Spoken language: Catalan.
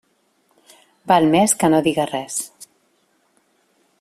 Val més que no diga res.